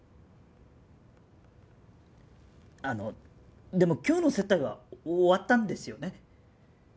あのでも今日の接待は終わったんですよね？